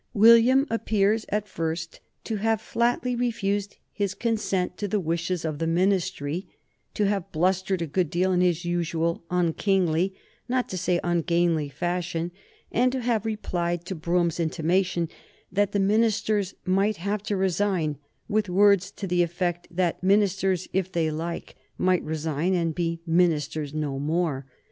William appears at first to have refused flatly his consent to the wishes of the Ministry, to have blustered a good deal in his usual unkingly, not to say ungainly, fashion, and to have replied to Brougham's intimation that the ministers might have to resign, with words to the effect that ministers, if they liked, might resign and be ministers no more.